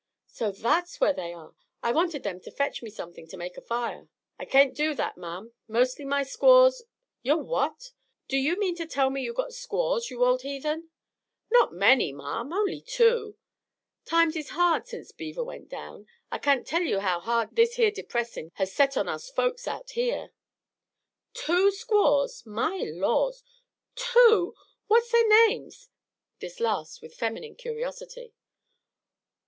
"So that's where they are? I wanted them to fetch me something to make a fire." "I kain't do that, ma'am. Mostly my squaws " "Your what? Do you mean to tell me you got squaws, you old heathen?" "Not many, ma'am only two. Times is hard sence beaver went down. I kain't tell ye how hard this here depressin' has set on us folks out here." "Two squaws! My laws! Two what's their names?" This last with feminine curiosity.